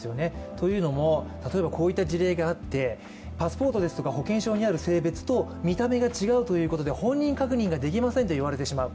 というのも、例えばこういった事例があって、パスポートですとか保険証にある性別と見た目が違うということで本人確認ができませんといわれてしまう。